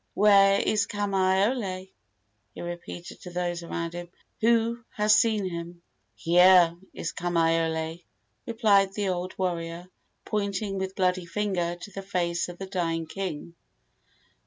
"Where is Kamaiole?" he repeated to those around him. "Who has seen him?" "Here is Kamaiole," replied the old warrior, pointing with bloody finger to the face of the dying king.